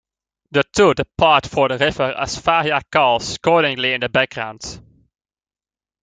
The two depart for the river as Varya calls scoldingly in the background.